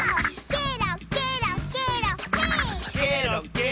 ケロケロケロヘイ！